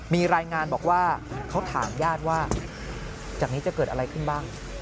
มีรายงานบอกว่าเขาถามญาติว่าจากนี้จะเกิดอะไรขึ้นบ้าง